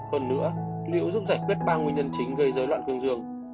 hơn nữa liệu giúp giải quyết ba nguyên nhân chính gây dối loạn cương dương